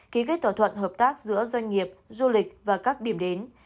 ký kết thỏa thuận hợp tác giữa doanh nghiệp du lịch và các điểm đến